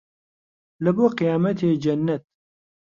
لە بۆ قیامەتێ جەننەت